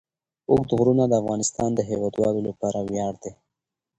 اوږده غرونه د افغانستان د هیوادوالو لپاره ویاړ دی.